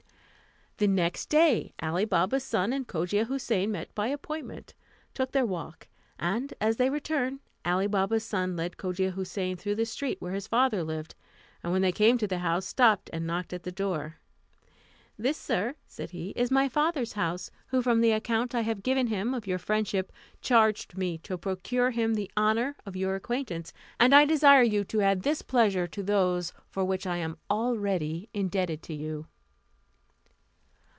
The next day Ali Baba's son and Cogia Houssain met by appointment, took their walk, and as they returned, Ali Baba's son led Cogia Houssain through the street where his father lived, and when they came to the house, stopped and knocked at the door. "This, sir," said he, "is my father's house, who, from the account I have given him of your friendship, charged me to procure him the honour of your acquaintance; and I desire you to add this pleasure to those for which I am already indebted to you."